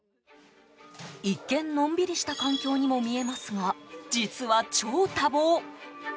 一見、のんびりした環境にも見えますが、実は超多忙。